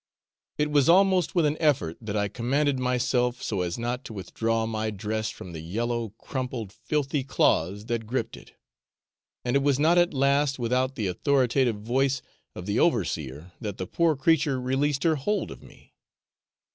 It was almost with an effort that I commanded myself so as not to withdraw my dress from the yellow crumpled filthy claws that griped it, and it was not at last without the authoritative voice of the overseer that the poor creature released her hold of me.